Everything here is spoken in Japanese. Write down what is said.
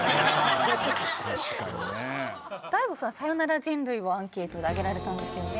ＤＡＩＧＯさん『さよなら人類』をアンケートで挙げられたんですよね。